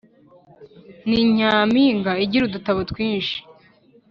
ni nyampinga igira udutabo twinshi